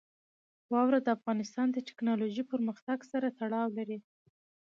واوره د افغانستان د تکنالوژۍ پرمختګ سره تړاو لري.